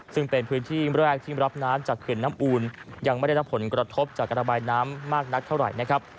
ซึ่งเป็นพื้นที่แรกที่รับน้ำจากเขื่อนน้ำอูลยังไม่ได้รับผลกระทบจากระบายน้ำมากนักเท่าไหร่นะครับ